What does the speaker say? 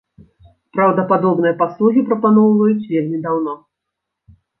Праўда, падобныя паслугі прапаноўваюць вельмі даўно.